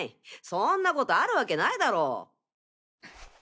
そんなことあるわけないだろ。